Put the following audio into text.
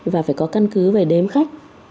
và phải có căn cứ về đếm khách